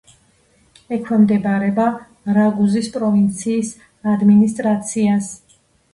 ექვემდებარება რაგუზის პროვინციის ადმინისტრაციას.